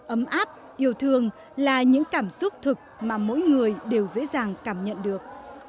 ấm áp yêu thương là những cảm xúc thực mà mỗi người đều dễ dàng cảm nhận được